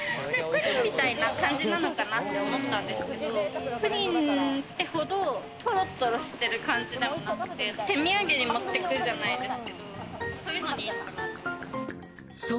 プリンみたいな感じなのかなって思ったんですけど、プリンってほどトロトロしてる感じでもなくて、手土産に持ってくじゃないですけど。